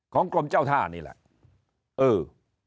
กรมเจ้าท่านี่แหละเออ